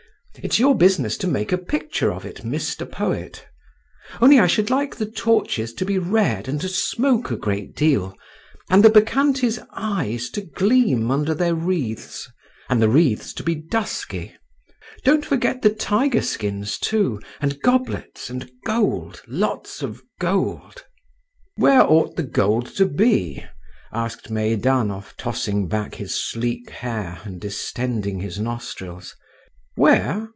It's your business to make a picture of it, Mr. Poet;… only I should like the torches to be red and to smoke a great deal, and the Bacchantes' eyes to gleam under their wreaths, and the wreaths to be dusky. Don't forget the tiger skins, too, and goblets and gold—lots of gold…." "Where ought the gold to be?" asked Meidanov, tossing back his sleek hair and distending his nostrils. "Where?